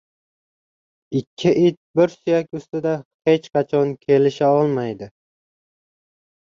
• Ikki it bir suyak ustida hech qachon kelisha olmaydi.